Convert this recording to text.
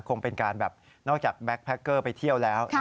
คงเป็นการแบบนอกจากแก๊กแพคเกอร์ไปเที่ยวแล้ว